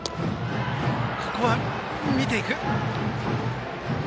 ここは見ていく。